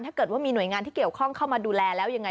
ถ้าเกิดว่ามีหน่วยงานที่เกี่ยวข้องเข้ามาดูแลแล้วยังไง